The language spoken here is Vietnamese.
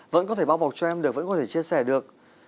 vẫn có thể bao bọc cho em đều vẫn có thể chia sẻ được